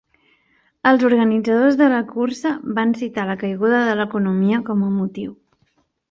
Els organitzadors de la cursa van citar la caiguda de l'economia com a motiu.